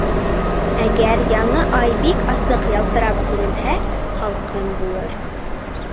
Әгәр яңы ай бик асыҡ ялтырап күренһә, һалҡын булыр.